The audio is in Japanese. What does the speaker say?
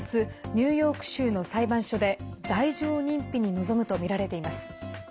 ニューヨーク州の裁判所で罪状認否に臨むとみられています。